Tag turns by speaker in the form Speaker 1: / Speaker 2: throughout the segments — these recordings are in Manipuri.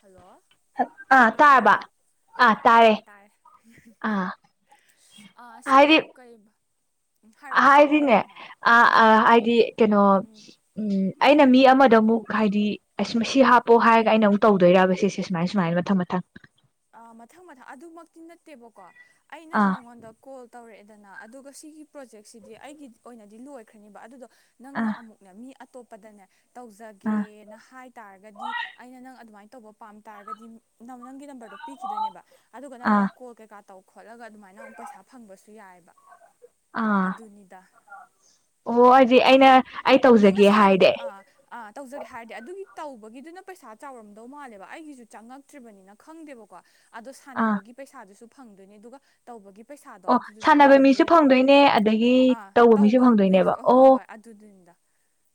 Speaker 1: ꯍꯜꯂꯣ
Speaker 2: ꯑꯥ
Speaker 1: ꯇꯥꯕ꯭ꯔꯣ
Speaker 2: ꯇꯥꯔꯕ
Speaker 1: ꯇꯥꯔꯦ ꯇꯥꯔꯦ
Speaker 2: ꯑꯥ
Speaker 1: ꯑꯥ
Speaker 2: ꯍꯥꯏꯗꯤ
Speaker 1: ꯁꯤꯗꯣ ꯀꯩ ꯍꯥꯏꯔꯛꯑꯣ ꯍꯥꯏꯔꯛꯑꯣ ꯅꯪ
Speaker 2: ꯍꯥꯏꯗꯤꯅꯦ
Speaker 1: ꯍꯥꯟꯅ ꯍꯥꯏꯔꯛꯑꯣ
Speaker 2: ꯑ
Speaker 1: ꯎꯝ
Speaker 2: ꯑ ꯍꯥꯏꯗꯤ ꯀꯩꯅꯣ
Speaker 1: ꯎꯝ
Speaker 2: ꯎꯝ ꯑꯩꯅ ꯃꯤ ꯑꯃꯗ ꯑꯃꯨꯛ ꯍꯥꯏꯗꯤ ꯑꯁ ꯃꯁꯤ
Speaker 1: ꯎꯝ
Speaker 2: ꯍꯥꯞꯄꯣ ꯍꯥꯏꯔꯒ ꯑꯩꯅ ꯑꯃꯨꯛ ꯇꯧꯗꯣꯏꯔꯕ ꯁꯤꯁꯦ ꯁꯨꯃꯥꯏ ꯁꯨꯃꯥꯏꯅ ꯃꯊꯪ ꯃꯊꯪ
Speaker 1: ꯑ ꯃꯊꯪ ꯃꯊꯪ ꯑꯗꯨꯃꯛꯇꯤ ꯅꯠꯇꯦꯕꯀꯣ ꯑꯩꯅꯁꯨ
Speaker 2: ꯑꯥ
Speaker 1: ꯅꯪꯉꯣꯟꯗ ꯀꯣꯜ ꯇꯧꯔꯛꯑꯦꯗꯅ ꯑꯗꯨꯒ ꯁꯤꯒꯤ ꯄ꯭ꯔꯣꯖꯦꯛꯁꯤꯗꯤ ꯑꯩꯒꯤ ꯑꯣꯏꯅꯗꯤ ꯂꯣꯏꯈ꯭ꯔꯅꯦꯕ ꯑꯗꯨꯗꯣ ꯅꯪꯅ
Speaker 2: ꯑꯥ
Speaker 1: ꯑꯃꯨꯛꯅꯦ ꯃꯤ ꯑꯇꯣꯞꯄ ꯄꯗꯅꯦ
Speaker 2: ꯑꯥ
Speaker 1: ꯇꯧꯖꯒꯦꯅ ꯍꯥꯏ ꯇꯥꯔꯒꯗꯤ ꯑꯩꯅ ꯅꯪ ꯑꯗꯨꯃꯥꯏꯅ ꯇꯧꯕ ꯄꯥꯝ ꯇꯥꯔꯒꯗꯤ ꯅꯪ ꯅꯪꯒꯤ ꯅꯝꯕꯔꯗꯣ ꯄꯤꯈꯤꯗꯣꯏꯅꯦꯕ ꯑꯗꯨꯒ ꯅꯪꯅ
Speaker 2: ꯑꯥ
Speaker 1: ꯑꯃꯨꯛ ꯀꯣꯜ ꯀꯩꯀꯥ ꯇꯧ ꯈꯣꯠꯂꯒ ꯑꯗꯨꯃꯥꯏꯅ ꯑꯃꯨꯛ ꯄꯩꯁꯥ ꯐꯪꯕꯁꯨ ꯌꯥꯏꯑꯕ
Speaker 2: ꯑꯥ
Speaker 1: ꯑꯗꯨꯅꯤꯗ
Speaker 2: ꯑꯣ ꯑꯩꯗꯤ ꯑꯩꯅ ꯑꯩ
Speaker 1: ꯅꯪꯅ
Speaker 2: ꯇꯧꯖꯒꯦ
Speaker 1: ꯁꯥꯔꯨꯕ
Speaker 2: ꯍꯥꯏꯔꯗꯤ
Speaker 1: ꯑꯥ ꯑꯥ ꯇꯧꯖꯒꯦ ꯍꯥꯏꯔꯗꯤ ꯑꯗꯨꯒꯤ ꯇꯧꯕꯒꯤꯗꯨꯅ ꯄꯩꯁꯥ ꯆꯥꯎꯔꯝꯗꯧ ꯃꯥꯜꯂꯦꯕ ꯑꯩꯒꯤꯁꯨ ꯆꯪꯉꯛꯇ꯭ꯔꯤꯕꯅꯤꯅ ꯈꯪꯗꯦꯕꯀꯣ ꯑꯗꯣ
Speaker 2: ꯑꯥ
Speaker 1: ꯁꯥꯟꯅꯕꯒꯤ ꯄꯩꯁꯥꯗꯨꯁꯨ ꯐꯪꯗꯣꯏꯅꯤ ꯑꯗꯨꯒ ꯇꯧꯕꯒꯤ ꯄꯩꯁꯥꯗꯣ
Speaker 2: ꯑꯣ
Speaker 1: ꯑꯗꯨꯗꯨꯁꯨ
Speaker 2: ꯁꯥꯟꯅꯕ ꯃꯤꯁꯨ
Speaker 1: ꯐꯪꯗꯣꯏꯅꯦꯕ
Speaker 2: ꯐꯪꯗꯣꯏꯅꯦ ꯑꯗꯒꯤ
Speaker 1: ꯑꯥ
Speaker 2: ꯇꯧꯕ ꯃꯤꯁꯨ ꯐꯪꯗꯣꯏꯅꯦꯕ
Speaker 1: ꯇꯧꯕꯒꯤꯁꯨ
Speaker 2: ꯑꯣ
Speaker 1: ꯍꯣꯏ ꯍꯣꯏ ꯑꯗꯨꯗꯨꯅꯤꯗ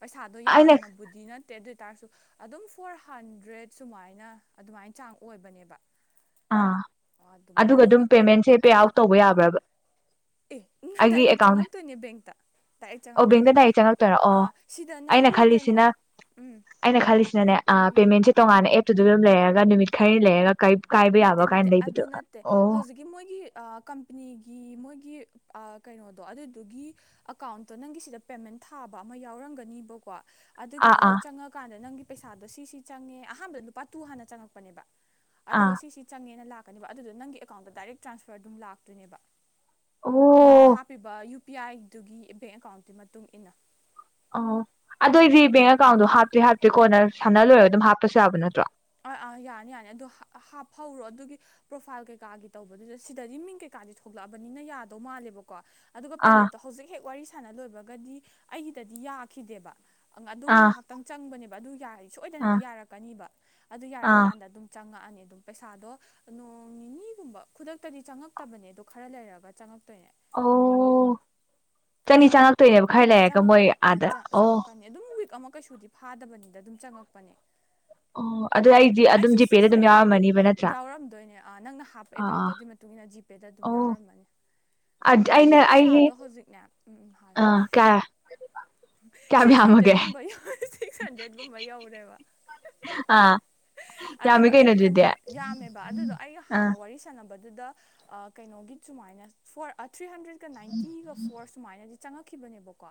Speaker 1: ꯄꯩꯁꯥꯗꯣ
Speaker 2: ꯑꯩꯅ
Speaker 1: ꯌꯥꯝꯅꯕꯨꯗꯤ ꯅꯠꯇꯦ ꯑꯗꯨ ꯑꯣꯏꯇꯥꯔꯁꯨ ꯑꯗꯨꯝ ꯐꯣꯔ ꯍꯟꯗ꯭ꯔꯦꯗ ꯁꯨꯃꯥꯏꯅ ꯑꯗꯨꯃꯥꯏꯅ ꯆꯥꯡ ꯑꯣꯏꯕꯅꯦꯕ
Speaker 2: ꯑꯥ ꯑꯗꯨꯒ ꯑꯗꯨꯝ ꯄꯦꯃꯦꯟꯁꯦ ꯄꯦ ꯑꯥꯎꯠ ꯇꯧꯕ ꯌꯥꯕ꯭ꯔꯥꯕ
Speaker 1: ꯑꯦ
Speaker 2: ꯑꯩꯒꯤ
Speaker 1: ꯗꯥꯏꯔꯦꯛ
Speaker 2: ꯑꯦꯀꯥꯎꯟ
Speaker 1: ꯆꯪꯉꯛꯇꯣꯏꯅꯦ ꯕꯦꯡꯇ ꯗꯥꯏꯔꯦꯛ
Speaker 2: ꯑꯣ ꯕꯦꯡꯛꯗ
Speaker 1: ꯆꯪꯉꯛꯇꯣꯏꯅꯦꯕ
Speaker 2: ꯗꯥꯏꯔꯦꯛ ꯆꯪꯉꯛꯇꯣꯏꯔꯥ ꯑꯣ
Speaker 1: ꯑꯥ ꯁꯤꯗ
Speaker 2: ꯑꯩꯅ
Speaker 1: ꯅꯪꯒꯤ ꯀꯩꯅꯣ
Speaker 2: ꯈꯜꯂꯤꯁꯤꯅ
Speaker 1: ꯎꯝ
Speaker 2: ꯑꯩꯅ ꯈꯜꯂꯤꯁꯤꯅꯅꯦ
Speaker 1: ꯎꯝ
Speaker 2: ꯄꯦꯃꯦꯟꯁꯦ ꯇꯣꯉꯥꯟꯅ ꯑꯦꯞ [unintelligible] ꯂꯩꯔꯒ ꯅꯨꯃꯤꯠ ꯈꯔꯅꯤ ꯂꯩꯔꯒ ꯀꯔꯤ
Speaker 1: ꯅꯠꯇꯦ ꯅꯠꯇꯦ ꯑꯗꯨ ꯅꯠꯇꯦ ꯍꯧꯖꯤꯛꯀꯤ ꯃꯣꯏꯒꯤ ꯀꯝꯄꯅꯤꯒꯤ ꯃꯣꯏꯒꯤ ꯑꯥ ꯀꯩꯅꯣꯗꯣ ꯑꯗꯨꯗꯨꯒꯤ ꯑꯦꯀꯥꯎꯟꯇꯣ ꯅꯪꯒꯤ ꯁꯤꯗ ꯄꯦꯃꯦꯟ ꯊꯥꯕ ꯑꯃ ꯌꯥꯎꯔꯝꯒꯅꯤꯕꯀꯣ
Speaker 2: ꯑꯥ
Speaker 1: ꯑꯗꯨꯒꯤꯗꯨꯗ
Speaker 2: ꯑꯥ
Speaker 1: ꯆꯪꯉꯀꯥꯟꯗ ꯅꯪꯒꯤ ꯄꯩꯁꯥꯗꯣ ꯁꯤ ꯁꯤ ꯆꯪꯉꯦ ꯑꯍꯥꯟꯕꯗ ꯂꯨꯄꯥ ꯇꯨ ꯍꯥꯟꯅ ꯆꯪꯉꯛꯄꯅꯦꯕ ꯑꯗꯨꯒ
Speaker 2: ꯑꯥ
Speaker 1: ꯁꯤꯁꯤ ꯆꯪꯉꯦꯅ ꯂꯥꯛ ꯕ ꯑꯗꯨꯗꯣ ꯅꯪꯒꯤ ꯑꯦꯀꯥꯎꯟꯗ ꯗꯥꯏꯔꯦꯛ ꯇ꯭ꯔꯥꯟꯁꯐꯔ ꯑꯗꯨꯝ ꯂꯥꯛꯇꯨꯏꯅꯦꯕ ꯅꯪꯅ
Speaker 2: ꯑꯣ
Speaker 1: ꯍꯥꯞꯄꯤꯕ ꯄꯤ ꯑꯥꯏ ꯗꯨꯒꯤ ꯕꯦꯡ ꯑꯦꯀꯥꯎꯟꯗꯨꯒꯤ ꯃꯇꯨꯡ ꯏꯟꯅ
Speaker 2: ꯑꯣ ꯑꯗꯣ ꯑꯩꯗꯤ ꯦꯡ ꯑꯀꯥꯎꯟꯣ
Speaker 1: ꯎꯝ
Speaker 2: ꯍꯥꯄꯤ ꯍꯥꯄꯤꯦ ꯀꯣꯟꯅ ꯁꯥꯟꯅ ꯂꯣꯏꯔꯒ ꯑꯗꯨꯝ ꯍꯥꯞꯄꯁꯨ ꯌꯥꯕ ꯅꯠꯇ꯭ꯔꯣ
Speaker 1: ꯑ ꯑꯥ ꯌꯥꯅꯤ ꯌꯥꯅꯤ ꯑꯗꯨꯣ ꯍꯥꯞꯍꯧꯔꯣ ꯑꯗꯨꯒꯤ ꯄ꯭ꯔꯣꯐꯥꯏꯜ ꯀꯩꯀꯥꯒꯤ ꯇꯧꯕꯗꯨꯗ ꯁꯤꯗꯗꯤ ꯃꯤꯡ ꯀꯩꯀꯥꯗꯤ ꯊꯣꯛꯂꯛꯑꯕꯅꯤꯅ ꯌꯥꯗꯧ ꯃꯥꯜꯂꯦꯕꯀꯣ ꯑꯗꯨꯒ
Speaker 2: ꯑꯥ
Speaker 1: ꯄꯦꯃꯦꯟꯇꯣ ꯍꯧꯖꯤꯛ ꯍꯦꯛ ꯋꯥꯔꯤ ꯁꯥꯟꯅ ꯂꯣꯏꯕꯒꯗꯤ ꯑꯩꯒꯤꯗꯗꯤ ꯌꯥꯈꯤꯗꯦꯕ ꯑꯗꯨꯝ
Speaker 2: ꯑꯥ
Speaker 1: ꯉꯥꯏꯍꯥꯛꯇꯪ ꯆꯪꯕꯅꯦꯕ ꯑꯗꯨ ꯌꯥꯏ
Speaker 2: ꯑꯥ
Speaker 1: ꯁꯣꯏꯗꯅꯗꯤ ꯌꯥꯔꯛꯀꯅꯤꯕ
Speaker 2: ꯑꯥ
Speaker 1: ꯑꯗꯨꯔꯑꯀꯥꯟꯗ ꯑꯗꯨꯝ ꯆ ꯆꯪꯉꯛꯑꯅꯤ ꯑꯗꯨꯝ ꯄꯩꯁꯥꯗꯣ ꯅꯣꯡ ꯅꯤꯅꯤꯒꯨꯝꯕ ꯈꯨꯗꯛꯇꯗꯤ ꯆꯪꯉꯛꯇꯕꯅꯦ ꯑꯣ ꯈꯔ ꯂꯩꯔꯒ ꯆꯪꯉꯛꯇꯣꯏꯅꯦ
Speaker 2: ꯑꯣ ꯆꯅꯤ ꯆꯅꯥ ꯇꯣꯏꯅꯦꯕ ꯈꯔ ꯂꯩꯔꯒ ꯃꯣꯏ ꯑꯥꯗ ꯑꯣ
Speaker 1: ꯆꯪꯉꯛꯀꯅꯤ ꯑꯗꯨꯝ ꯋꯤꯛ ꯑꯃ ꯀꯩꯁꯨꯗꯤ ꯐꯥꯗꯕꯅꯤꯗ ꯑꯗꯨꯝ ꯆꯪꯉꯛꯄꯅꯦ
Speaker 2: ꯑ
Speaker 1: ꯑꯩꯁꯨ ꯁꯤꯁꯦ
Speaker 2: ꯅꯠꯇ꯭ꯔꯥ
Speaker 1: ꯌꯥꯎꯔꯝꯗꯣꯏꯅꯦ ꯅꯪꯅ ꯍꯥꯞꯄ
Speaker 2: ꯑꯥ
Speaker 1: ꯑꯦꯀꯥꯎꯟꯇꯣ
Speaker 2: ꯑꯥ
Speaker 1: ꯑꯗꯨꯒꯤ ꯃꯇꯨꯡ ꯏ ꯃꯇꯨꯡꯏꯟꯅ ꯖꯤꯄꯦꯗ ꯑꯗꯨꯝ
Speaker 2: ꯑꯣ
Speaker 1: ꯌꯥꯎꯔꯝꯃꯅꯤ ꯑꯩꯒꯤ ꯄꯩꯁꯥꯗꯣ ꯍꯧꯖꯤꯛꯅꯦ ꯎꯝ ꯍꯥꯏꯌꯣ
Speaker 2: ꯑꯥ ꯀꯌꯥ ꯀꯌꯥꯝ
Speaker 1: ꯁꯤꯛꯁ
Speaker 2: ꯌꯥꯝꯃꯒꯦ
Speaker 1: ꯍꯟꯗ꯭ꯔꯦꯠꯒꯨꯝꯕ ꯌꯥ ꯁꯤꯛꯁ ꯍꯟꯗ꯭ꯔꯦꯗꯀꯨꯝꯕ ꯌꯧꯔꯦꯕ
Speaker 2: ꯑꯥ ꯌꯥꯝꯃꯤ
Speaker 1: ꯑꯗꯨꯗꯣ
Speaker 2: ꯀꯩꯅꯣ
Speaker 1: ꯑꯩꯅ
Speaker 2: ꯑꯗꯨꯗꯤ ꯑꯥ
Speaker 1: ꯈꯟꯕꯗꯣ ꯌꯥꯝꯃꯦꯕ ꯑꯗꯨꯗꯣ ꯑꯩꯒ ꯍꯥꯟꯅ ꯋꯥꯔꯤ ꯁꯥꯟꯅꯕꯗ ꯑꯗꯨꯗ ꯀꯩꯅꯣꯒꯤ ꯁꯨꯃꯥꯏꯅ ꯐꯣꯔ ꯊ꯭ꯔꯤ ꯍꯟꯗ꯭ꯔꯦꯠ ꯅꯥꯟꯇꯤꯒ ꯐꯣꯔ ꯁꯃꯅ ꯆꯪꯉꯛꯈꯤꯕꯅꯦꯕꯀꯣ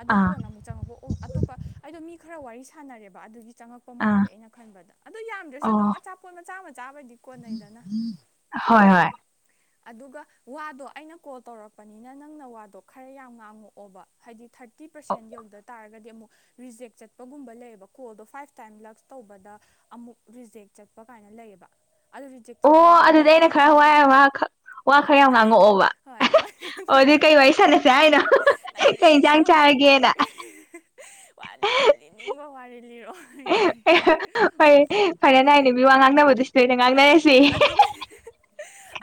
Speaker 1: ꯑꯗꯨ
Speaker 2: ꯑꯥ
Speaker 1: ꯀꯣꯟꯅ ꯑꯃꯨꯛ ꯆꯪꯉꯛꯄ ꯑꯣ ꯑꯇꯣꯞꯄ ꯑꯗꯣ ꯃꯤ ꯈꯔ ꯋꯥꯔꯤ ꯁꯥꯟꯅꯔꯦꯕ ꯑꯗꯨꯒꯤ ꯆꯪꯉꯛꯄ
Speaker 2: ꯑꯥ
Speaker 1: ꯃꯥꯜꯂꯦ ꯑꯩꯅ ꯈꯟꯕꯗ ꯑꯗꯨꯣ ꯌꯥꯝꯗ꯭ꯔꯁꯨ
Speaker 2: ꯑꯣ
Speaker 1: ꯑꯗꯨꯝ ꯑꯆꯥꯄꯣꯠ ꯃꯆꯥ ꯃꯆꯥꯕꯩꯗꯤ ꯀꯣꯟꯅꯩꯗꯅ
Speaker 2: ꯍꯣꯏ ꯍꯣꯏ
Speaker 1: ꯑꯗꯨꯒ ꯋꯥꯗꯣ ꯑꯩꯅ ꯀꯣꯜ ꯇꯧꯔꯛꯄꯅꯤꯅ ꯅꯪꯅ ꯋꯥꯗꯣ ꯈꯔ ꯌꯥꯝ ꯉꯥꯡꯉꯛꯑꯣꯕ ꯍꯥꯏꯗꯤ ꯊꯥꯔꯇꯤ ꯐꯤꯇꯤ
Speaker 2: ꯑꯣ
Speaker 1: ꯄꯔꯦꯟ ꯌꯧꯗ ꯇꯥꯔꯒꯗꯤ ꯑꯃꯨꯛ ꯔꯤꯖꯦꯛ ꯆꯠꯄꯒꯨꯝꯕ ꯂꯩꯌꯦꯕ ꯀꯣꯜꯗꯣ ꯐꯥꯏꯚ ꯇꯥꯏꯝ ꯂꯛꯁ ꯇꯧꯕꯗ ꯑꯃꯨꯛ ꯔꯤꯖꯦꯛ ꯆꯠꯄ ꯀꯥꯏꯅ ꯂꯩꯌꯦꯕ ꯑꯗꯨ ꯔꯤꯖꯦꯛ ꯆꯠꯄꯗꯨꯗꯤ
Speaker 2: ꯑꯣ
Speaker 1: ꯑꯃꯨꯛ
Speaker 2: ꯑꯗꯨꯗꯤ
Speaker 1: ꯄꯩꯁꯥ
Speaker 2: ꯑꯩꯅ ꯈꯔ ꯋꯥ
Speaker 1: ꯆꯪꯉꯛꯑꯣꯏꯅꯦ
Speaker 2: ꯋꯥ ꯈ ꯋꯥ
Speaker 1: ꯍꯣꯏ
Speaker 2: ꯈꯔ
Speaker 1: ꯍꯣꯏ
Speaker 2: ꯌꯥꯝ
Speaker 1: ꯅꯪ ꯍꯣꯏ
Speaker 2: ꯉꯥꯡꯉꯛꯑꯣꯕ
Speaker 1: ꯍꯣꯏ
Speaker 2: ꯑꯣ ꯑꯗꯨ ꯀꯩ ꯋꯥꯔꯤ ꯁꯥꯟꯂꯁꯦ ꯍꯥꯏꯅꯣ ꯀꯩ ꯏꯟꯁꯥꯡ ꯆꯥꯔꯒꯦꯅ
Speaker 1: ꯋꯥꯔ ꯅꯪ ꯂꯩ ꯅꯤꯡꯉ ꯋꯥꯔꯤꯔ
Speaker 2: ꯐꯔꯦ ꯐꯔꯦ ꯅꯥꯏꯅꯦ ꯃꯤ ꯋꯥ ꯉꯥꯡꯅꯕꯗꯨ ꯁꯤꯗ ꯑꯣꯏꯅ ꯉꯥꯡꯅꯔꯁꯤ
Speaker 1: ꯑꯗꯨꯅꯦ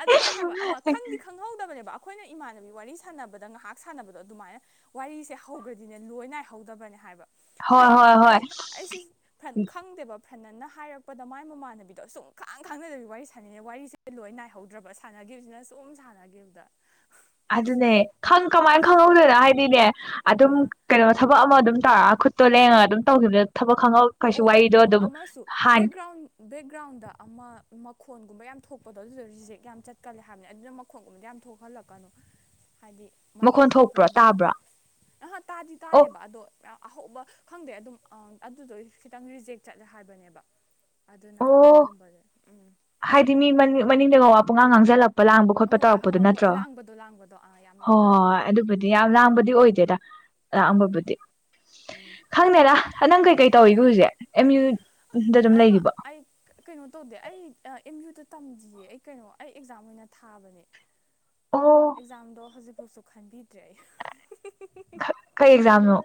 Speaker 1: ꯑꯗꯨꯅꯦ ꯍꯥꯏꯕ ꯑꯃ ꯈꯪꯗꯤ ꯈꯪꯍꯧꯗꯕꯅꯦꯕ ꯑꯩꯈꯣꯏꯅ ꯏꯃꯥꯟꯅꯕꯤ ꯋꯥꯔꯤ ꯁꯥꯟꯅꯕꯗ ꯉꯥꯏꯍꯥꯛ ꯁꯥꯟꯅꯕꯗꯣ ꯑꯗꯨꯃꯥꯏꯅ ꯋꯥꯔꯤꯁꯦ ꯍꯧꯈ꯭ꯔꯗꯤꯅꯦ ꯂꯣꯏ ꯅꯥꯏꯍꯧꯗꯕꯅꯦ ꯍꯥꯏꯕ
Speaker 2: ꯍꯣꯏ
Speaker 1: ꯑꯩꯗꯤ
Speaker 2: ꯍꯣꯏ ꯍꯣꯏ
Speaker 1: ꯑꯩ ꯑꯩꯁꯤ ꯐ ꯈꯪꯗꯦꯕ ꯐꯅꯅ ꯍꯥꯏꯔꯛꯄꯗ ꯃꯥꯏ ꯃꯃꯥꯟꯅꯕꯤꯗꯣ ꯑꯁꯨꯝ ꯈ ꯀꯥꯡ ꯈꯥꯡꯅꯗꯕꯤ ꯋꯥꯔꯤ ꯁꯥꯟꯅꯩꯦ ꯋꯥꯔꯤꯁꯦ ꯂꯣꯏ ꯅꯥꯏꯍꯧꯗ꯭ꯔꯕ ꯁꯥꯟꯅꯈꯤꯕꯁꯤꯅ ꯁꯨꯝ ꯁꯥꯟꯅꯈꯤꯕꯗ
Speaker 2: ꯑꯗꯨꯅꯦ ꯀꯃꯥꯏꯅ ꯈꯪꯍꯧꯗꯅ ꯍꯥꯏꯗꯤꯅꯦ ꯑꯗꯨꯝ
Speaker 1: ꯑ
Speaker 2: ꯀꯩꯅꯣ ꯊꯕꯛ ꯑꯃ ꯑꯗꯨꯝ ꯑꯗꯨ ꯇꯥꯔꯥ ꯈꯨꯠꯇꯣ ꯂꯩꯡꯉꯒ ꯑꯗꯨꯝ ꯇꯧꯈꯤꯕꯗ ꯊꯕꯛ ꯈꯪꯍꯧ ꯀꯩꯁꯨ
Speaker 1: ꯑꯣ
Speaker 2: ꯋꯥꯔꯤꯗꯣ
Speaker 1: ꯑꯣ
Speaker 2: ꯑꯗꯨꯝ
Speaker 1: ꯑꯃꯁꯨ
Speaker 2: ꯍꯥꯟ
Speaker 1: ꯕꯦꯛꯒ꯭ꯔꯥꯎꯟ ꯕꯦꯛꯒ꯭ꯔꯥꯎꯟꯗ ꯑꯃ ꯃꯈꯣꯟꯒꯨꯝꯕ ꯌꯥꯝ ꯊꯣꯛꯄꯗꯣ ꯑꯗꯨꯗ ꯔꯤꯖꯦꯛ ꯌꯥꯝ ꯆꯠꯀꯜꯂꯦ ꯍꯥꯏꯕꯅꯦ ꯑꯗꯨꯅ ꯃꯈꯣꯟꯒꯨꯝꯕꯗ ꯌꯥꯝ ꯊꯣꯛꯍꯜꯂꯛꯀꯅꯨ ꯍꯥꯏꯗꯤ
Speaker 2: ꯃꯈꯣꯟ ꯊꯣꯛꯄ꯭ꯔꯣ
Speaker 1: ꯃꯇꯨꯡꯗꯒꯨꯝꯕ
Speaker 2: ꯇꯥꯕ꯭ꯔꯣ
Speaker 1: ꯑꯍꯥ ꯇꯥꯗꯤ
Speaker 2: ꯑꯣ
Speaker 1: ꯇꯥꯗꯦꯕ ꯑꯗꯣ ꯌꯥꯝ ꯑꯍꯥꯎꯧꯕ ꯈꯪꯗꯦ ꯑꯗꯨꯝ ꯑꯗꯨꯗꯣ ꯈꯤꯇꯪ ꯔꯤꯖꯦꯛ ꯆꯠꯂꯦ ꯍꯥꯏꯕꯅꯦꯕ ꯑꯗꯨꯅ
Speaker 2: ꯑꯣ
Speaker 1: ꯑꯗꯨꯒꯨꯝꯕꯁ ꯎꯝ
Speaker 2: ꯍꯥꯏꯗꯤ ꯃꯤ ꯃꯅꯤꯡꯗꯒꯋꯥ ꯄꯨꯡꯉꯥꯡ ꯉꯥꯡꯖꯜꯂꯛꯄ ꯂꯥꯡ ꯈꯣꯠꯄ
Speaker 1: ꯑꯍꯣꯏ
Speaker 2: ꯇꯧꯔꯛꯄꯗꯨ
Speaker 1: ꯑꯍꯣꯏ ꯑꯍꯣꯏ
Speaker 2: ꯅꯠꯇ꯭ꯔꯣ
Speaker 1: ꯂꯥꯡꯕꯗꯣ ꯂꯥꯡꯕꯗꯣ ꯑꯥ ꯌꯥꯝ
Speaker 2: ꯍ
Speaker 1: ꯂꯥꯡꯕꯗꯣ
Speaker 2: ꯑꯗꯨꯕꯨ ꯌꯥꯝ ꯂꯥꯡ ꯑꯣꯏꯗꯦꯗ
Speaker 1: ꯎꯝ
Speaker 2: ꯑꯥꯛꯑꯝꯕꯕꯨꯗꯤ
Speaker 1: ꯎꯝ
Speaker 2: ꯈꯪꯗꯦꯗ ꯅꯪ ꯀꯩꯀꯩ ꯇꯧꯏꯒꯦ ꯍꯧꯖꯤꯛ ꯑꯦꯝ ꯌꯨ
Speaker 1: ꯑ ꯑꯩ ꯀꯩꯅꯣ ꯇꯧꯗꯦ ꯑꯩ ꯑꯦꯝ ꯌꯨꯗ ꯇꯝꯈꯤꯌꯦ ꯑꯩ ꯀꯩꯅꯣ ꯑꯩ ꯑꯦꯛꯖꯥꯝ ꯑꯣꯏꯅ ꯊꯥꯕꯅꯦ
Speaker 2: ꯑꯣ
Speaker 1: ꯑꯦꯛꯖꯥꯗꯣ ꯍꯧꯖꯤꯛ ꯐꯣꯁꯨ ꯈꯟꯕꯤꯗ꯭ꯔꯦ
Speaker 2: ꯀꯩ ꯑꯦꯛꯖꯥꯝ ꯅ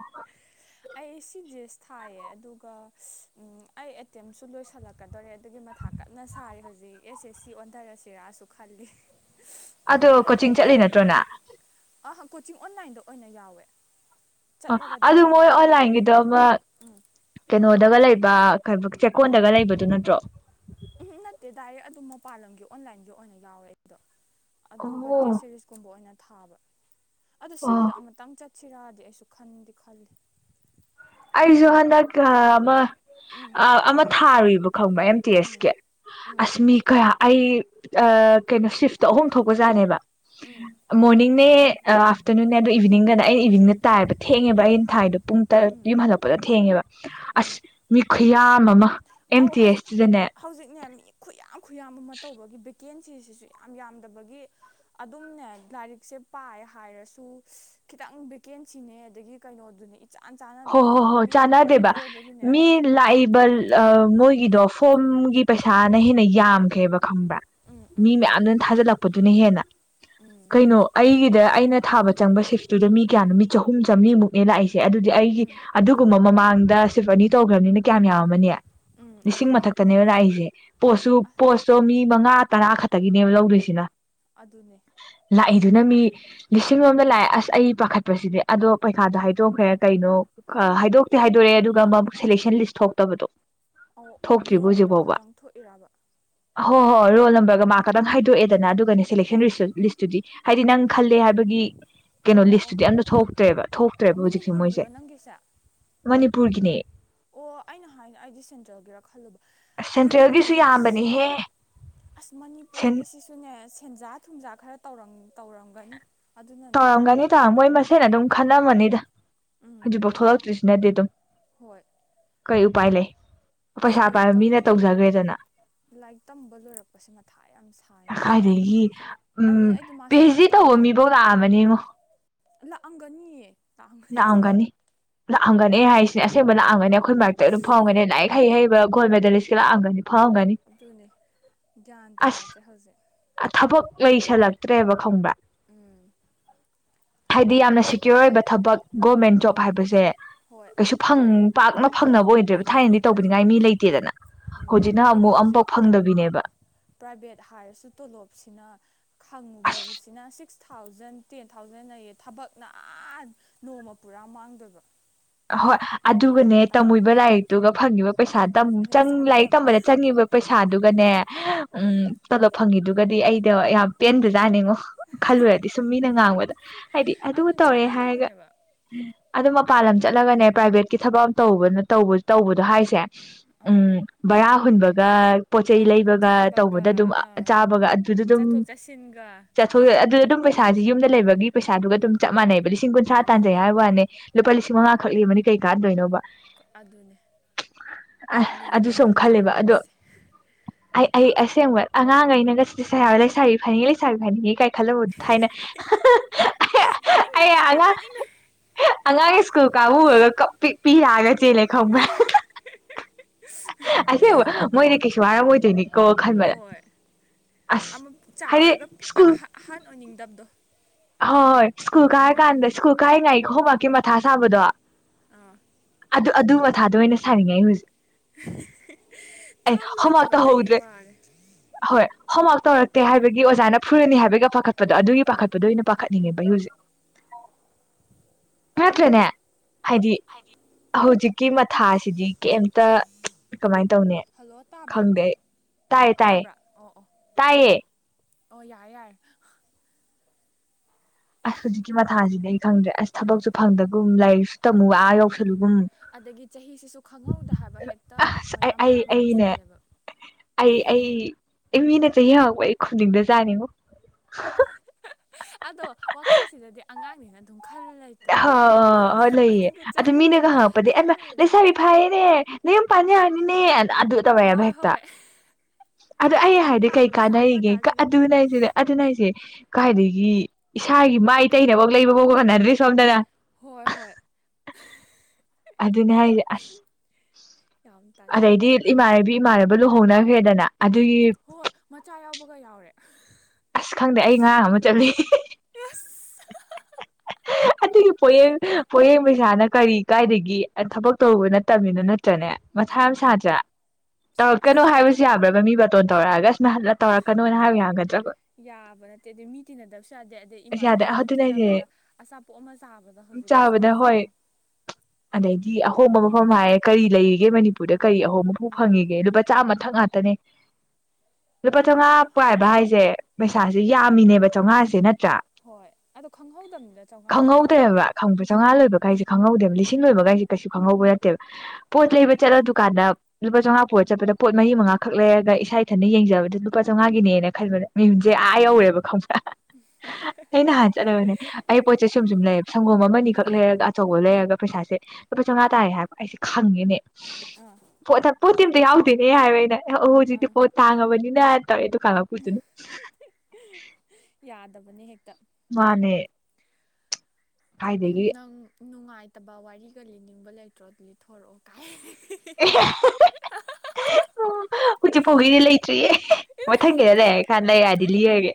Speaker 1: ꯑꯩ ꯁꯤꯁꯦ ꯊꯥꯏꯌꯦ ꯑꯗꯨꯒ ꯑꯩ ꯑꯦꯇꯦꯝꯁꯨ ꯂꯣꯏꯁꯜꯂꯛꯀꯗꯣꯔꯦ ꯑꯗꯨꯒꯤ ꯃꯊꯥ ꯀꯟꯅ ꯁꯥꯔꯤꯦ ꯍꯧꯖꯤꯛ ꯑꯦꯁꯦ ꯁꯤ ꯑꯣꯟꯊꯔꯁꯤꯔꯥꯁꯨ ꯈꯜꯂꯤ
Speaker 2: ꯑꯗꯣ ꯀꯣꯆꯤꯡ ꯆꯠꯂꯤ ꯅꯠꯇ꯭ꯔꯣꯅ
Speaker 1: ꯑ ꯀꯣꯆꯤꯡ ꯑꯣꯟꯂꯥꯏꯟꯗ ꯑꯣꯏꯅ ꯌꯥꯎꯋꯦ
Speaker 2: ꯑ
Speaker 1: ꯆꯠꯂꯒꯗꯤ
Speaker 2: ꯑꯗꯨ ꯃꯣꯏ
Speaker 1: ꯌꯥꯎꯗꯦ ꯑꯩꯗꯣ ꯎꯝ
Speaker 2: ꯑꯣꯟꯂꯥꯏꯟꯒꯤꯗꯣ ꯑꯃ
Speaker 1: ꯎꯝ
Speaker 2: ꯀꯩꯅꯣ ꯑꯗꯨꯒꯒ ꯂꯩꯕꯥꯛ
Speaker 1: ꯎꯝ
Speaker 2: ꯆꯦꯛꯀꯣꯟꯗꯒ ꯂꯩꯕꯗꯨ ꯅꯠꯇ꯭ꯔꯣ
Speaker 1: ꯎꯝꯍꯨꯝ ꯅꯠꯇꯦ ꯗꯥꯏꯔꯦꯛ ꯑꯗꯨꯝ ꯃꯄꯥꯟ ꯂꯝꯒꯤ ꯑꯣꯟꯂꯥꯏꯟꯒꯤ ꯑꯣꯏꯅ ꯌꯥꯎꯔꯦ ꯑꯩꯗꯣ ꯑꯗꯨꯒ
Speaker 2: ꯑꯣ
Speaker 1: ꯇꯦꯁ ꯁꯦꯔꯤꯁꯀꯨꯝꯕ ꯑꯣꯏꯅ ꯊꯥꯕ ꯑꯗꯣ
Speaker 2: ꯑꯣ
Speaker 1: ꯁꯤꯒꯤꯗꯣ ꯑꯃꯇꯪ ꯆꯠꯁꯤꯔꯛꯗꯤ ꯑꯩꯁꯨ ꯈꯟꯗꯤ ꯈꯜꯂꯤ
Speaker 2: ꯑꯩꯁꯨ ꯍꯟꯗꯛ ꯑꯃ
Speaker 1: ꯎꯝ
Speaker 2: ꯑꯃ ꯊꯥꯔꯨꯏꯕꯀꯣ ꯈꯪꯕ ꯑꯦꯝ ꯇꯤ ꯑꯦꯁ
Speaker 1: ꯎꯝ
Speaker 2: ꯀꯦ
Speaker 1: ꯎꯝ
Speaker 2: ꯑꯁꯃꯤ ꯀꯌꯥ ꯑꯩ ꯀꯩꯅꯣ ꯁꯤꯐꯇꯣ ꯑꯍꯨꯝ ꯊꯣꯛꯄꯖꯥꯠꯅꯦꯕ
Speaker 1: ꯎꯝ
Speaker 2: ꯃꯣꯔꯅꯤꯡꯅꯦ ꯑꯥꯐꯇꯔꯅꯨꯟꯅꯦ
Speaker 1: ꯎꯝ
Speaker 2: ꯑꯗꯣ ꯏꯚꯅꯤꯡꯗꯅ ꯑꯩ
Speaker 1: ꯎꯝ
Speaker 2: ꯏꯚꯕꯤꯅꯤꯡꯗ
Speaker 1: ꯎꯝ
Speaker 2: ꯇꯥꯏꯌꯦꯕ ꯊꯦꯡꯉꯦꯕ
Speaker 1: ꯎꯝ
Speaker 2: ꯑꯩꯅ ꯊꯥꯏꯗꯣ ꯄꯨꯡ ꯇꯔ
Speaker 1: ꯎꯝ
Speaker 2: ꯍꯜꯂꯛꯄꯗ ꯊꯦꯡꯉꯦꯕ ꯑꯁ
Speaker 1: ꯎꯝ
Speaker 2: ꯈꯨꯌꯥꯝ ꯑꯃ ꯑꯦꯝ
Speaker 1: ꯑꯧ
Speaker 2: ꯇꯤ
Speaker 1: ꯍꯧꯖꯤꯛ
Speaker 2: ꯑꯦꯁꯁꯤꯗꯅꯦ
Speaker 1: ꯍꯧꯖꯤꯛꯅꯦ ꯃꯤ ꯈꯨꯌꯥꯝ ꯈꯨꯌꯥꯝ ꯑꯃ ꯇꯧꯕꯒꯤꯕꯤ ꯚꯦꯀꯦꯟꯁꯤꯁꯤꯁꯨ ꯌꯥꯝ ꯌꯥꯝꯗꯕꯒꯤ ꯑꯗꯨꯝꯅꯦ ꯂꯥꯏꯔꯤꯛꯁꯦ ꯄꯥꯏ ꯍꯥꯏꯔꯁꯨ ꯈꯤꯇꯪ ꯚꯦꯀꯦꯟꯁꯤꯅꯦ ꯑꯗꯒꯤ ꯀꯩꯅꯣꯗꯨꯅꯤ
Speaker 2: ꯍꯣ ꯍꯣ ꯍꯣꯏ ꯆꯥꯟꯅꯗꯦꯕ
Speaker 1: ꯇꯣꯏꯕꯒꯤꯅꯦ
Speaker 2: ꯃꯤ ꯂꯥꯛꯏꯕ
Speaker 1: ꯎꯝ
Speaker 2: ꯑ ꯃꯣꯏ ꯒꯤꯗꯣ ꯐꯣꯝꯒꯤ ꯄꯩꯁꯥꯅ ꯍꯦꯟꯅ ꯌꯥꯝꯈꯦꯕ ꯈꯪꯕ꯭ꯔꯥ
Speaker 1: ꯎꯝ
Speaker 2: ꯃꯤ
Speaker 1: ꯎꯝ ꯎꯝ
Speaker 2: ꯃꯌꯥꯝꯗꯨꯅ ꯊꯥꯖꯤꯜꯂꯛꯄꯗꯨꯅ ꯍꯦꯟꯅ
Speaker 1: ꯎꯝ
Speaker 2: ꯀꯩꯅꯣ ꯑꯩꯒꯤꯗ ꯑꯩꯅ ꯊꯥꯕ ꯆꯪꯕ ꯁꯤꯐꯇꯨꯗ ꯃꯤ ꯀꯌꯥꯅꯤ ꯃꯤ ꯆꯍꯨꯝ ꯆꯥꯝꯔꯤꯃꯨꯛꯅꯦ ꯂꯥꯛꯏꯁꯦ ꯑꯗꯨꯗꯤ ꯑꯩꯒꯤ
Speaker 1: ꯎꯝ
Speaker 2: ꯑꯗꯨꯒꯨꯝꯕ ꯃꯃꯥꯡꯗ ꯁꯤꯐ ꯑꯅꯤ ꯇꯧꯈ꯭ꯔꯕꯅꯤꯅ ꯀꯌꯥꯝ ꯌꯥꯝꯃꯅꯦ
Speaker 1: ꯎꯝ
Speaker 2: ꯂꯤꯁꯤꯡ
Speaker 1: ꯑꯗꯨꯅꯦ
Speaker 2: ꯃꯊꯛꯇꯅꯦꯕ ꯂꯥꯛꯏꯁꯦ ꯄꯣꯠꯁꯨ
Speaker 1: ꯑꯁ
Speaker 2: ꯄꯣꯠꯁꯨ ꯃꯤ ꯑꯩ ꯃꯉꯥ ꯇꯔꯥ ꯈꯛꯇꯒꯤꯅꯦꯕ ꯂꯧꯗꯣꯏꯁꯤꯅ
Speaker 1: ꯑꯗꯨꯅꯦ
Speaker 2: ꯂꯥꯛꯏꯗꯨꯅ ꯃꯤ ꯂꯤꯁꯤꯡ ꯑꯃ ꯂꯥꯛꯑꯦ ꯑꯁ ꯑꯩ ꯄꯥꯈꯠꯄꯁꯤꯗꯤ ꯑꯗꯣ ꯄꯩꯈꯥꯗꯣ ꯍꯥꯏꯗꯣꯛꯈ꯭ꯔꯦ ꯀꯩꯅꯣ ꯍꯥꯏꯗꯣꯛꯇꯦ ꯍꯥꯏꯗꯣꯔꯛꯑꯦ ꯑꯗꯨꯒ ꯃꯥꯕꯨ ꯁꯦꯂꯦꯛꯁꯟ ꯂꯤꯁ ꯊꯣꯛꯇꯕꯗꯣ
Speaker 1: ꯑꯧ ꯑꯣ
Speaker 2: ꯊꯣꯛꯇ꯭ꯔꯤꯕ
Speaker 1: ꯅꯔꯣꯜ ꯅꯝꯕꯔ ꯈꯛꯇꯪ ꯊꯣꯛꯏꯔꯕ
Speaker 2: ꯍꯣ ꯍꯣ ꯔꯣꯜ ꯅꯝꯕꯔꯒ ꯃꯥꯛ ꯈꯛꯇꯪ ꯍꯥꯏꯗꯣꯛꯑꯦꯗꯅ ꯑꯗꯨ ꯁꯦꯂꯦꯛꯁꯟ
Speaker 1: ꯑꯥ
Speaker 2: ꯂꯤꯁꯇꯨꯗꯤ ꯍꯥꯏꯗꯤ ꯅꯪ ꯈꯜꯂꯦ ꯍꯥꯏꯕꯒꯤ
Speaker 1: ꯑꯣ
Speaker 2: ꯀꯩꯅꯣ
Speaker 1: ꯑꯣ
Speaker 2: ꯂꯤꯁꯇꯨꯗꯤ ꯑꯝꯇ ꯊꯣꯛꯇ꯭ꯔꯦꯕ
Speaker 1: ꯑꯣ
Speaker 2: ꯊꯣꯛꯇ꯭ꯔꯦꯕ ꯍꯧꯖꯤꯛꯁꯦ ꯃꯣꯏꯁꯦ
Speaker 1: ꯃꯅꯤꯄꯨꯔꯒꯤꯔꯣ ꯅꯪꯒꯤꯁꯦ
Speaker 2: ꯃꯅꯤꯄꯨꯔꯒꯤꯅꯦ
Speaker 1: ꯑꯣ ꯑꯩꯅ ꯍꯥꯏꯅ ꯑꯩꯗꯤ ꯁꯦꯟꯇ꯭ꯔꯦꯜꯒꯤꯔ ꯈꯜꯂꯨꯕ
Speaker 2: ꯁꯦꯟꯇ꯭ꯔꯦꯜꯒꯤꯁꯨ
Speaker 1: ꯃꯅꯤꯄꯨꯔꯒꯤ ꯑꯁ
Speaker 2: ꯌꯥꯝꯕꯅꯦꯍꯦ
Speaker 1: ꯑꯁ ꯃꯅꯤꯄꯨꯔꯒꯤ ꯁꯤꯁꯨꯅꯦ ꯁꯦꯟꯖꯥ ꯊꯨꯝꯖꯥ ꯈꯔ ꯇꯧꯔꯝꯒꯅꯤ ꯑꯗꯨꯅꯅꯦ
Speaker 2: ꯇꯧꯔꯝꯒꯅꯤ ꯇꯥ ꯃꯣꯏ ꯃꯁꯦꯟ
Speaker 1: ꯎꯝ
Speaker 2: ꯑꯗꯨꯝ ꯈꯜꯂꯝꯃꯅꯤꯗ
Speaker 1: ꯎꯝ
Speaker 2: ꯍꯧꯖꯤꯛꯐꯥꯎ ꯊꯣꯛꯂꯛꯇ꯭ꯔꯤꯁꯤ ꯅꯗꯤ ꯑꯗꯨꯝ
Speaker 1: ꯍꯣꯏ
Speaker 2: ꯀꯩ ꯎꯄꯥꯏ ꯂꯩ
Speaker 1: ꯑꯁ
Speaker 2: ꯄꯩꯁꯥ ꯄꯥꯏꯕ ꯃꯤꯅ
Speaker 1: ꯍꯧꯖꯤꯛꯀꯥꯟꯁꯦ
Speaker 2: ꯇꯧꯖꯈ꯭ꯔꯦꯗꯅ
Speaker 1: ꯂꯥꯏꯔꯤꯛ ꯇꯝꯕ ꯂꯣꯏꯔꯛꯄꯁꯦ ꯃꯊꯥ ꯌꯥꯝ ꯁꯥꯏꯅꯦ
Speaker 2: ꯀꯥꯏꯗꯒꯤ
Speaker 1: ꯑꯗꯨꯗ ꯑꯩꯗꯤ ꯃꯥꯁꯇꯔꯁꯨ ꯇꯧꯗ꯭ꯔꯦꯕ
Speaker 2: ꯄꯥꯝꯕꯅꯤꯉꯣ
Speaker 1: ꯎꯝ ꯂꯥꯛꯑꯝꯒꯅꯤꯌꯦ ꯂꯥꯛꯑꯝꯒꯅꯤ
Speaker 2: ꯅ ꯑꯒꯅꯤ ꯂꯥꯛꯑꯝꯒꯅꯤ ꯍꯥꯏꯁꯤꯅꯦ ꯑꯁꯦꯡꯕ ꯂꯥꯛꯑꯝꯒꯅꯤ ꯑꯩꯈꯣꯏ ꯃꯔꯛꯇ ꯑꯗꯨꯝ ꯐꯪꯝꯒꯅꯤ ꯂꯥꯏꯛ ꯍꯩ ꯍꯩꯕ ꯒꯣꯜ ꯃꯦꯗꯂꯤꯁꯀꯤ ꯂꯥꯛꯑꯝꯒꯅꯤ ꯐꯪꯉꯝꯒꯅꯤ
Speaker 1: ꯑꯗꯨꯅꯦ ꯒ꯭ꯌꯥꯟ
Speaker 2: ꯑꯁ
Speaker 1: ꯇꯥꯗ꯭ꯔꯦ ꯍꯧꯖꯤꯛ
Speaker 2: ꯊꯕꯛ ꯂꯩꯁꯜꯂꯛꯇ꯭ꯔꯦꯕ ꯈꯪꯕ꯭ꯔꯥ
Speaker 1: ꯎꯝ
Speaker 2: ꯍꯥꯏꯗꯤ ꯌꯥꯝꯅ ꯁꯤꯦꯀ꯭ꯌꯣꯔ ꯑꯣꯏꯕ ꯊꯕꯛ ꯒꯣꯔꯃꯦꯟ ꯖꯣꯕ ꯍꯥꯏꯕꯁꯦ
Speaker 1: ꯍꯣꯏ
Speaker 2: ꯀꯩꯁꯨ ꯐꯪ ꯄꯥꯛꯅ ꯐꯪꯅꯕ ꯑꯣꯏꯗ꯭ꯔꯦꯕ ꯊꯥꯏꯅꯗꯤ
Speaker 1: ꯎꯝ
Speaker 2: ꯇꯧꯕꯤꯅꯤꯉꯥꯏ ꯃꯤ ꯂꯩꯇꯦꯗꯅ
Speaker 1: ꯎꯝ
Speaker 2: ꯍꯧꯖꯤꯛꯅ
Speaker 1: ꯑꯗꯒꯤ
Speaker 2: ꯑꯃꯨꯛ
Speaker 1: ꯍꯧꯖꯤꯛ
Speaker 2: ꯑꯃꯐꯥꯎ ꯐꯪꯗꯕꯤꯅꯦꯕ
Speaker 1: ꯄ꯭ꯔꯥꯏꯚꯦꯠ ꯍꯥꯏꯔꯁꯨ ꯇꯣꯂꯣꯞꯁꯤꯅ
Speaker 2: ꯑꯁ
Speaker 1: ꯈꯪꯉꯨꯕꯕꯁꯤꯅ ꯁꯤꯁ ꯊꯥꯎꯖꯟ ꯇꯦꯟ ꯊꯥꯎꯖꯟ ꯅꯌꯦ ꯊꯕꯛꯅꯍꯥꯟ ꯅꯣꯡꯃ ꯄꯨꯔꯥ ꯃꯥꯡꯗꯣꯏꯕ
Speaker 2: ꯍꯣꯏ ꯑꯗꯨꯒꯅꯦ
Speaker 1: ꯒ꯭ꯌꯥꯟ ꯇꯥꯗꯦ
Speaker 2: ꯇꯝꯃꯣꯏꯕ ꯂꯥꯏꯔꯤꯛꯇꯨꯒ ꯐꯪꯉꯤꯕ ꯄꯩꯁꯥ ꯂꯥꯏꯔꯤꯛ
Speaker 1: ꯆꯥꯟꯅꯗꯕ
Speaker 2: ꯇꯝꯕꯗ ꯆꯪꯉꯤꯕ ꯄꯩꯁꯥꯗꯨꯒꯅꯦ ꯎꯝ ꯇꯂꯞ ꯐꯪꯉꯤꯗꯨꯒꯗꯤ ꯑꯩꯗꯣ ꯌꯥꯝ ꯄꯦꯟꯕꯖꯥꯠꯅꯤꯡꯉꯣ ꯈꯜꯂꯨꯔꯗꯤ ꯁꯨꯝ ꯃꯤꯅ ꯉꯥꯡꯕꯗ ꯍꯥꯏꯗꯤ ꯑꯗꯨ
Speaker 1: ꯑꯗꯨꯅ
Speaker 2: ꯇꯧꯔꯦ ꯍꯥꯏꯔꯒ
Speaker 1: ꯆꯥꯟꯅꯗꯕꯅꯦꯕ
Speaker 2: ꯑꯗꯨ ꯃꯄꯥꯜ ꯂꯝ
Speaker 1: ꯑꯗꯒꯤ
Speaker 2: ꯄ꯭ꯔꯥꯏꯚꯦꯠꯀꯤ ꯊꯕꯛ ꯑꯃ ꯇ ꯇꯧꯕꯗꯣ ꯍꯥꯏꯁꯦ
Speaker 1: ꯑꯥ
Speaker 2: ꯎꯝ ꯔ ꯑꯟ ꯒ ꯄꯣꯠ ꯆꯩꯩ
Speaker 1: ꯑꯥ
Speaker 2: ꯂꯩꯕꯒ
Speaker 1: ꯆꯥꯕꯒ
Speaker 2: ꯇꯧꯕꯗ ꯑꯗꯨꯝ
Speaker 1: ꯑꯥ
Speaker 2: ꯆꯥꯕꯒ ꯑꯗꯨꯗ ꯑꯗꯨꯝ
Speaker 1: ꯆꯠꯊꯣꯛ ꯆꯠꯁꯤꯟꯒ
Speaker 2: ꯆꯠꯊꯣꯛ ꯑꯗꯨꯗ ꯑꯗꯨꯝ ꯄꯩꯁꯥ ꯌꯨꯝꯗ ꯂꯩꯕꯒꯤ ꯄꯩꯁꯥꯗꯨꯒ ꯑꯗꯨꯝ ꯆꯞ ꯃꯥꯟꯩꯕꯗꯤ ꯁꯤꯡꯨ ꯁꯥꯥ ꯇꯥꯟꯖꯦ
Speaker 1: ꯑꯗꯨꯅꯤ
Speaker 2: ꯍꯥꯏꯕ ꯋꯥꯅꯦ ꯄꯂꯤꯁꯤꯃꯉ ꯈꯛꯂꯤꯕꯅꯤ ꯀꯩ ꯀꯥꯟꯅꯗꯣꯏꯅꯣꯕ
Speaker 1: ꯑꯗꯨꯅꯦ
Speaker 2: ꯑ ꯑꯗꯨꯁꯨ
Speaker 1: ꯂꯨꯔꯦꯗ
Speaker 2: ꯑꯃꯨꯛ ꯈꯜꯂꯦꯕ ꯑꯗꯣ
Speaker 1: ꯆꯥꯎꯔꯛꯄꯁꯦ
Speaker 2: ꯑꯩ ꯑꯩ ꯑꯁꯦꯡꯕ ꯑꯉꯥꯡꯉꯩꯅꯒ ꯁꯤ ꯁꯕ ꯂꯩꯁꯥꯕꯤ ꯐꯅꯤꯡꯉꯤ ꯂꯩꯁꯥꯕꯤ ꯐꯅꯤꯡꯉꯤ ꯀꯥꯏ ꯈꯜꯂꯨ ꯊꯥꯏꯅ
Speaker 1: ꯐꯅꯤꯗ
Speaker 2: ꯑꯩ
Speaker 1: ꯑ
Speaker 2: ꯑꯉꯥꯡ
Speaker 1: ꯐꯅꯤꯗ
Speaker 2: ꯒ ꯀ ꯄꯤꯔꯑꯒ ꯆꯦꯂ ꯈꯝꯕꯔ ꯑꯁꯦꯕ ꯃꯣꯏꯗꯤ ꯀꯩꯁꯨ ꯋꯥꯔꯝꯃꯣꯏꯗꯣꯏꯅꯤꯀꯣ ꯈꯟꯕꯗ
Speaker 1: ꯍꯣꯏ ꯑꯃ
Speaker 2: ꯑꯁ ꯍꯥꯏꯗꯤ
Speaker 1: ꯆꯥꯎꯔꯒ ꯄꯤ- ꯑ-
Speaker 2: ꯁ꯭ꯀꯨꯜ
Speaker 1: ꯑꯍ- ꯑꯍꯟ ꯑꯣꯏꯅꯤꯡꯗꯕꯗꯣ
Speaker 2: ꯍꯣꯏ ꯁꯨ ꯀꯥꯏꯔ
Speaker 1: ꯎꯝ
Speaker 2: ꯀꯥꯟꯗ ꯁꯨ ꯀꯥꯏ ꯉꯥꯏ ꯈꯣꯕꯥꯛꯀꯤ ꯃꯊꯥ ꯁꯥꯕꯗꯣ
Speaker 1: ꯑꯥ
Speaker 2: ꯑꯗꯨ ꯑꯗꯨ ꯃꯊꯥꯗ ꯑꯣꯏꯅ ꯁꯥꯅꯤꯡꯉꯩ ꯑꯩ ꯍꯧꯖꯤꯛ ꯑꯦ
Speaker 1: ꯇꯨꯋꯦꯜꯞ
Speaker 2: ꯍꯣꯥꯛꯇ
Speaker 1: ꯂꯣꯏꯈꯤꯕꯗꯒꯤ
Speaker 2: ꯍꯗ꯭ꯔꯦ
Speaker 1: ꯋꯥꯔꯦ
Speaker 2: ꯍꯣꯏ ꯍꯣꯥꯛꯇ ꯇꯦ ꯍꯥꯏꯕꯒꯤ ꯑꯣꯖꯥꯅ ꯐꯨꯔꯅꯤ ꯍꯥꯏꯕꯒꯤ ꯄꯥꯈꯠꯄꯗꯣ ꯑꯗꯨꯒꯤ ꯄꯥꯈꯠ ꯗ ꯑꯣꯏꯅ ꯄꯥꯈꯠꯅꯤꯡꯉꯦ ꯕꯩ ꯍꯧꯖꯤꯛ ꯅꯠꯇ꯭ꯔꯅꯦ ꯍꯥꯏꯗꯤ ꯍꯧꯖꯤꯛꯀꯤ ꯊꯥꯁꯤꯗꯤ ꯀꯩꯇ ꯀꯃꯥꯏ ꯀ ꯇꯧꯅꯦ
Speaker 1: ꯍꯜꯂꯣ ꯇꯥꯕ꯭ꯔꯥ
Speaker 2: ꯈꯪꯗꯦ ꯇꯥꯏꯌꯦ ꯇꯥꯏꯌꯦ
Speaker 1: ꯇꯥꯕ꯭ꯔꯥ ꯑꯣ ꯑꯣ
Speaker 2: ꯇꯥꯏꯌꯦ
Speaker 1: ꯑꯣ ꯌꯥꯔ ꯌꯥꯔ
Speaker 2: ꯑꯁ ꯍꯧꯖꯤꯛꯀꯤ ꯃꯊꯥꯁꯤꯗꯤ ꯑꯩ ꯈꯪꯗ꯭ꯔꯦ ꯑꯁ ꯊꯕꯛꯁꯨ ꯐꯪꯗꯒꯨꯝ ꯂꯥꯏꯔꯤꯛꯁꯨ ꯇꯝꯨꯛ ꯋꯥ ꯌꯧ
Speaker 1: ꯑꯗꯒꯤ ꯆꯍꯤ ꯁꯤꯁꯨ ꯈꯪꯍꯧꯗ ꯍꯥꯏꯕ ꯍꯦꯛꯇ
Speaker 2: ꯑꯁ ꯑꯩ
Speaker 1: ꯃꯌꯥꯝ
Speaker 2: ꯑꯩ
Speaker 1: ꯃꯌꯥꯝ
Speaker 2: ꯑꯩꯅꯦ
Speaker 1: ꯌꯥꯝꯁꯜꯂꯦꯕ
Speaker 2: ꯑꯩ ꯑꯩ ꯑꯩ ꯃꯤꯅ ꯆꯍꯤ ꯍꯉꯛꯄ ꯑꯩ ꯈꯨꯗꯤꯡꯗ ꯆꯥꯅꯤꯡꯉꯣ
Speaker 1: ꯑꯗꯣ ꯋꯥꯈꯜꯁꯤꯗꯗꯤ ꯑꯉꯥꯡ ꯃ ꯑꯗꯨ
Speaker 2: ꯑ ꯑ ꯍ ꯂꯩꯑ
Speaker 1: ꯑꯗꯨꯒ
Speaker 2: ꯑꯗꯨ
Speaker 1: ꯆꯍꯤ
Speaker 2: ꯃꯤꯅꯒ ꯍꯪꯉꯛꯄꯗꯤ
Speaker 1: ꯈꯜꯂꯨꯔꯗꯤ
Speaker 2: ꯂꯩꯁꯥꯕꯤ ꯐꯥꯏꯌꯦꯅꯦ ꯅꯣꯏ ꯌꯥꯝ ꯄꯥꯖꯔꯅꯤꯅꯦ ꯑꯗꯨ ꯇꯧꯔꯦꯕ
Speaker 1: ꯍꯣꯏ
Speaker 2: ꯍꯦꯛꯇ
Speaker 1: ꯍꯣꯏ
Speaker 2: ꯑꯗ ꯑꯩ
Speaker 1: ꯀꯥꯏꯗꯩ ꯌꯨꯝ
Speaker 2: ꯍꯥꯏꯗꯤ ꯀꯩ
Speaker 1: ꯄꯥꯟꯕꯅꯣ ꯁꯥꯔꯤ
Speaker 2: ꯀꯥꯟꯅꯔꯤꯒꯦ
Speaker 1: ꯃꯇꯥꯁꯤꯗ
Speaker 2: ꯑꯗꯨꯅꯁꯤ ꯑꯗꯨꯅ ꯍꯥꯏꯁꯦ ꯀꯥꯏꯗꯒꯤ ꯏꯁꯥꯒꯤ ꯃꯥꯏ ꯇꯩꯅꯕ ꯂꯩꯕ ꯐꯥꯎꯕ ꯈꯅꯗ꯭ꯔꯤ ꯁꯣꯝꯗꯅ
Speaker 1: ꯍꯣꯏ ꯍꯣꯏ
Speaker 2: ꯑꯗꯨꯅꯦ ꯍꯥꯏꯁꯦ ꯑꯁ
Speaker 1: ꯌꯥꯝ ꯇꯜꯂꯤ
Speaker 2: ꯑꯗꯩꯗꯤ ꯏꯃꯥꯟꯅꯕꯤ ꯏꯃꯥꯟꯅꯕ ꯂꯨꯍꯣꯡꯅꯈ꯭ꯔꯦꯗꯅ ꯑꯗꯨꯒꯤ
Speaker 1: ꯍꯔ ꯃꯆꯥꯥꯕ ꯑꯗꯨꯒ ꯌꯥꯎꯔꯦ
Speaker 2: ꯑꯁ ꯈꯪꯗꯦ ꯑꯩ ꯉꯥ ꯑꯃ ꯆꯠꯂꯤ
Speaker 1: [unintelligible]
Speaker 2: ꯑꯗꯨꯗꯤ ꯄꯣꯌꯦꯡ ꯄꯣꯌꯦꯦꯡ ꯄꯩꯁꯥꯅ ꯀꯔꯤ ꯀꯥꯏꯗꯒꯤ ꯊꯕꯛ ꯇꯧꯔꯨꯕ ꯅꯠꯇꯕꯅꯤꯅꯣꯠꯇ ꯅꯦ ꯃꯁꯥ ꯃ
Speaker 1: ꯎꯝ
Speaker 2: ꯁꯥꯗꯥ
Speaker 1: ꯑꯁ
Speaker 2: ꯇꯧꯔꯛꯀꯅꯨ ꯍꯥꯏꯕꯁꯨ
Speaker 1: ꯈꯪꯗꯦ
Speaker 2: ꯌꯥꯕ꯭ꯔꯕ ꯃꯤ ꯃꯇꯕꯇꯣꯟ ꯁꯔꯥꯒ
Speaker 1: ꯌꯥꯕ ꯅꯠꯇꯦ ꯑꯗꯨꯗ ꯃꯤ ꯇꯤꯟꯅꯗꯕꯁꯨ ꯌꯥꯗꯦ ꯑꯗꯩ
Speaker 2: ꯑꯁ ꯌꯥꯗꯦ
Speaker 1: ꯏꯃꯥꯟꯅꯕꯤ ꯑꯃ
Speaker 2: ꯑꯗꯨꯅꯦ ꯑꯩꯁꯦ
Speaker 1: ꯇꯤꯟꯅꯕꯗ ꯑꯆꯥꯄꯣꯠ ꯑꯃ ꯆꯥꯕꯗ ꯍꯧꯖꯤꯛ ꯄꯩꯁꯥꯁꯦ ꯌꯦꯡꯉ
Speaker 2: ꯗꯤ ꯑꯍꯣꯡꯕ ꯃꯐꯝ ꯍꯥꯏꯌꯦ ꯀꯔꯤ ꯂꯩꯔꯤꯒꯦ ꯃꯅꯤꯄꯨꯔꯗ ꯀꯔꯤ ꯑꯍꯣꯡ ꯃꯨꯥꯎ
Speaker 1: ꯃꯥꯅꯤ
Speaker 2: ꯐꯪꯉꯤꯒꯦ ꯂꯨꯄꯥ ꯆꯥꯝꯃ ꯃꯊꯛ ꯉꯥꯛꯇꯅꯦ ꯂꯨꯄꯥ
Speaker 1: ꯍꯥ
Speaker 2: ꯆꯥꯝꯃꯉꯥ
Speaker 1: ꯍꯥ
Speaker 2: ꯄꯥꯏꯕ ꯍꯥꯏꯁꯦ ꯄꯩꯁꯥꯁꯦ ꯌꯥꯝꯃꯤꯅꯦꯕ ꯆꯥꯝꯃꯉꯥꯁꯦ ꯅ
Speaker 1: ꯍꯣꯏ ꯑꯗꯣ ꯈꯪꯍꯧꯗꯕꯗ
Speaker 2: ꯈꯪꯍꯧꯗꯦꯕ ꯈꯪꯕꯨ ꯆꯝꯉꯥ ꯂꯣꯏꯕꯒꯥꯏꯁ ꯈꯪꯍꯧꯗꯕꯁꯤꯡ ꯂꯣꯏꯕꯒꯥꯏꯦ ꯀꯩꯁꯨ ꯈꯪꯍꯧꯕ ꯌꯥꯗꯦꯕ ꯄꯣꯠ
Speaker 1: ꯎꯝ
Speaker 2: ꯂꯩꯕ ꯆꯠꯂꯣ ꯗꯨꯀꯥꯟꯗ ꯂꯨꯄꯥ ꯆꯥꯝꯃꯉꯥ ꯄꯨꯔ ꯆꯠꯄ ꯄꯣꯠ ꯃꯔꯤ ꯃꯉꯥꯈꯛ ꯂꯩꯔꯒ ꯏꯁꯥ ꯏꯊꯟꯟꯅ ꯌꯦꯡꯖꯕꯗ ꯂꯨꯄꯥꯥꯝꯉꯥꯅꯦꯅ ꯈꯟꯕꯗ ꯃꯍꯨꯝꯁ ꯑꯥ ꯌꯧꯦꯕ ꯈꯪ ꯑꯩꯅ ꯍꯥꯏ ꯆꯠꯂꯕꯅꯦ ꯁꯨꯝ ꯁꯨꯝ ꯂꯩꯦ ꯁꯡꯒꯣꯝ ꯑꯃꯅꯤꯈꯛ
Speaker 1: ꯑꯥ
Speaker 2: ꯂꯩꯔꯒ ꯑꯆꯧꯕ ꯂꯩꯔꯒ ꯄꯩꯁꯥꯁꯦ ꯂꯨꯄꯥ ꯆꯥꯝꯃꯉꯥ ꯇꯥꯔ ꯍꯥꯏꯕ ꯑꯩꯁꯦ ꯈꯡꯉꯦꯅꯦ
Speaker 1: ꯑꯥ
Speaker 2: ꯄ ꯊꯥꯄꯨꯠ ꯇꯤꯝꯇ ꯌꯥꯎꯗꯦꯅꯦ ꯍꯥꯏꯕ ꯑꯩꯅ ꯍꯖꯤꯗꯤ
Speaker 1: ꯑꯥ
Speaker 2: ꯄꯣꯠ ꯊꯥꯡꯉꯕꯅꯤ ꯌꯥ ꯇꯦ ꯇꯣ ꯈꯥꯟ ꯄꯨꯗꯅ
Speaker 1: ꯗꯕꯅꯤ ꯍꯦꯛꯇ
Speaker 2: ꯃꯥꯅꯦ ꯀꯥꯏꯗꯒꯤ
Speaker 1: ꯅꯪ ꯅꯨꯡꯉꯥꯏꯇꯕ ꯋꯥꯔꯤꯒ ꯂꯤꯅꯤꯡꯕ ꯂꯩꯇ꯭ꯔꯣ ꯑꯗꯨ ꯂꯤꯊꯣꯔꯛꯑꯣ ꯀꯥꯏ
Speaker 2: [inaudible] ꯍꯧꯖꯤꯛꯄꯥꯎꯒꯤꯗꯤ ꯂꯩꯇ꯭ꯔꯤꯌꯦ ꯃꯊꯪꯒꯤꯗ ꯂꯩꯔ ꯀꯥꯟ ꯂꯩꯔꯛꯗꯤ ꯂꯤꯔꯒꯦ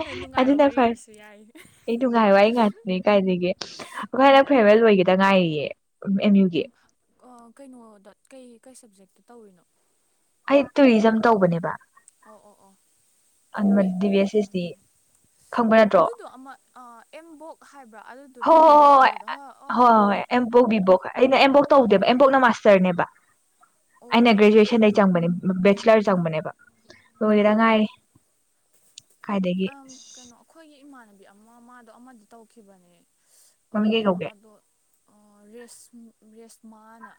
Speaker 1: ꯀꯥꯏ ꯅꯨꯡꯉꯥꯏꯕ
Speaker 2: ꯑꯗꯨꯅ
Speaker 1: ꯋꯥꯔꯤ
Speaker 2: ꯐꯔ
Speaker 1: ꯑꯣꯏꯔꯁꯨ ꯌꯥꯏ
Speaker 2: ꯑꯩ ꯅꯨꯡ ꯉꯥꯏ ꯋꯥ ꯑꯩ ꯉꯥꯛꯇꯅꯦ ꯀꯥꯏꯒꯦ ꯑꯩꯏ ꯍꯅꯛ ꯐꯦꯃꯦꯜ ꯑꯣꯏꯒꯦ ꯇꯉꯥꯏꯌꯦ ꯑꯦꯝ ꯌꯨꯒꯤꯦ
Speaker 1: ꯀꯩꯅꯣꯗ ꯀꯩ ꯀꯩ ꯁꯕꯖꯦꯛꯇ ꯇꯧꯔꯤꯅꯣ
Speaker 2: ꯑꯩ ꯇꯨꯔꯤꯖꯝ ꯇꯧꯕꯅꯦꯕ
Speaker 1: ꯑꯣ ꯑꯣ ꯑꯣ ꯑꯦ
Speaker 2: ꯗꯤ ꯕꯤ ꯑꯦꯁ ꯁꯤꯁꯇ ꯈꯡꯕ ꯅꯠꯇ꯭ꯔꯣ
Speaker 1: ꯑꯗꯨꯗꯣ ꯑꯃ ꯑꯦꯝꯕꯣꯛ ꯍꯥꯏꯕ꯭ꯔꯥ
Speaker 2: ꯍ
Speaker 1: ꯑꯗꯨꯗꯨꯔꯣ ꯇꯨꯔꯤꯖꯝꯒꯤꯗꯣ
Speaker 2: ꯍ
Speaker 1: ꯑꯣ
Speaker 2: ꯍꯣꯏ ꯍꯣꯏ ꯑꯦꯝꯄꯣ ꯕꯤꯕꯣꯛ ꯈꯥꯏ ꯑꯩꯅ ꯑꯦꯝꯕꯣꯛ ꯇꯧꯗꯦꯕ ꯑꯦꯝꯕꯣꯛꯅ ꯃꯥꯁꯇꯔꯅꯦꯕ
Speaker 1: ꯑꯣ
Speaker 2: ꯑꯩꯅꯒ꯭ꯔꯦꯖꯨꯌꯦꯁꯟ ꯆꯡꯕꯅꯦ ꯕꯦꯆꯤꯂꯔ ꯆꯡꯕꯅꯦꯕ ꯑꯗꯨꯒꯤꯗ ꯉꯥꯏꯔꯤ ꯀꯥꯏꯗꯒꯤ
Speaker 1: ꯑ ꯀꯩꯅꯣ
Speaker 2: ꯑꯁ
Speaker 1: ꯑꯩꯈꯣꯏꯒꯤ ꯏꯃꯥꯟꯕꯤ ꯍꯥꯏ ꯑꯃ ꯃꯥꯗꯣ ꯑꯃꯗꯤ ꯇꯧꯈꯤꯕꯅꯦ
Speaker 2: ꯃꯃꯤꯡ ꯀꯩ ꯀꯧꯒꯦ
Speaker 1: ꯑꯗꯣ ꯔꯦꯁ ꯔꯦꯁ ꯃꯥꯉꯥꯅ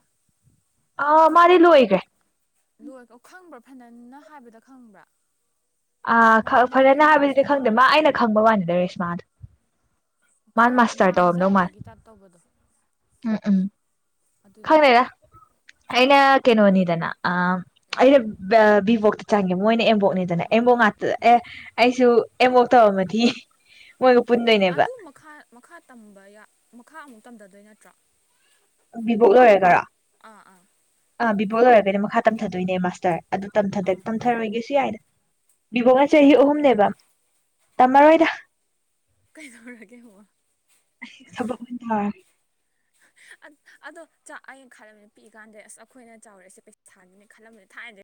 Speaker 2: ꯑꯥ ꯃꯥꯗꯤ ꯂꯣꯏꯒ꯭ꯔꯦ
Speaker 1: ꯂꯣꯏ ꯈꯡꯕ꯭ꯔꯥ ꯐꯅꯅ ꯍꯥꯏꯕꯗ ꯈꯡꯕ꯭ꯔꯥ
Speaker 2: ꯑ ꯐꯔꯦꯅ ꯍꯥꯏꯕꯗꯨꯗꯤ ꯈꯡꯗꯦ ꯃꯥ ꯑꯩꯅ ꯈꯡꯕ ꯋꯥꯅꯤꯗ ꯔꯦꯁꯃꯥꯜ
Speaker 1: ꯈꯔ ꯂꯥꯡꯖꯕꯒꯤ ꯇꯥꯏꯞ ꯇꯧꯕꯗꯣ
Speaker 2: ꯎꯝ ꯎꯝ
Speaker 1: ꯑꯗꯨꯗꯣ
Speaker 2: ꯈꯡꯅꯦꯔ ꯑꯩꯅ ꯀꯩꯅꯣꯅꯤ ꯗꯅ ꯑ ꯑꯩꯩꯅ
Speaker 1: ꯑꯥ
Speaker 2: ꯕꯤꯕꯣꯛꯇ ꯆꯡꯒꯦ ꯃꯣꯏꯅ ꯑꯦꯝꯕꯣꯛꯅꯤꯗꯅ ꯑꯦꯝꯕꯣꯛ ꯉꯇ ꯑꯦ ꯑꯩꯁꯨ ꯑꯦꯝꯕꯣꯛ ꯇꯧꯔꯝꯃꯗꯤ ꯃꯣꯏꯒ ꯄꯨꯟꯗꯣꯏꯅꯦꯕ
Speaker 1: ꯑꯗꯨ ꯃꯈꯥ ꯃꯈꯥ ꯇꯝꯕ ꯃꯈꯥ ꯑꯃꯨꯛ ꯇꯝꯊꯗꯣꯏ ꯀ ꯇ꯭ꯔꯥ
Speaker 2: ꯕꯤꯕꯣꯛ ꯂꯣꯏꯔꯦꯒꯔꯥ
Speaker 1: ꯑꯥ ꯑꯥ
Speaker 2: ꯑ ꯕꯤꯕꯣꯣꯛ ꯑꯣꯏꯔꯒꯅꯦ ꯃꯈꯥ ꯇꯝꯊꯗꯣꯏꯅꯦ ꯃꯥꯁꯇꯔ ꯑꯗꯨꯊ
Speaker 1: ꯑꯥ
Speaker 2: ꯇꯝꯊꯔꯣꯏꯒꯦ ꯁꯤ ꯌꯥꯏꯅ
Speaker 1: ꯑꯗꯨ
Speaker 2: ꯕꯉꯥ
Speaker 1: ꯅꯪ
Speaker 2: ꯆꯍꯤꯍꯤ ꯑꯍꯨꯝꯅꯦꯕ
Speaker 1: ꯇꯝꯊꯗꯣꯏꯔꯕ
Speaker 2: ꯇꯝꯃꯔꯣꯏꯗ
Speaker 1: ꯀꯩꯗꯧꯔꯒꯦ ꯑꯃꯨꯛ
Speaker 2: [unintelligible]
Speaker 1: ꯑꯗꯣ ꯆꯥꯛ ꯑꯩꯅ ꯈꯜꯂꯝꯕꯅꯤ ꯄꯤꯛꯏ ꯀꯥꯟꯗ ꯑꯁ ꯑꯩꯈꯣꯏꯅ ꯆꯥꯎꯔꯛꯏꯁꯦ ꯄꯩꯁꯥ ꯊꯥꯅꯤꯅꯦ ꯈꯜꯂꯝꯕꯅꯤ ꯊꯥꯏꯅꯗ